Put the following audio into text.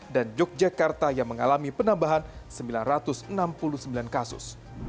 yogyakarta yang mengalami penambahan sembilan ratus enam puluh sembilan kasus